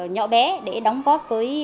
nhỏ bé để đóng góp với